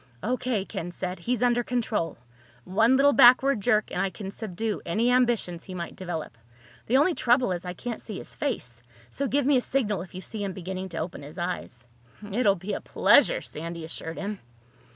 "O.K.," Ken said. "He's under control. One little backward jerk and I can subdue any ambitions he might develop. The only trouble is I can't see his face. So give me a signal if you see him beginning to open his eyes." "It will be a pleasure," Sandy assured him.